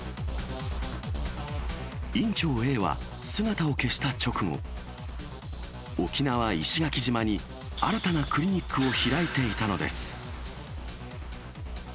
院長Ａは、姿を消した直後、沖縄・石垣島に新たなクリニックを開いていたのです。